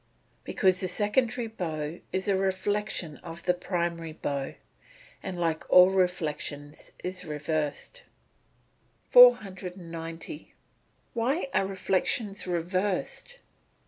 _ Because the secondary bow is a reflection of the primary bow, and, like all reflections, is reversed. 490. _Why are reflections reversed?